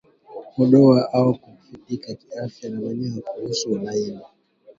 Kukonda au kudhoofika kiafya na manyoya kukosa ulaini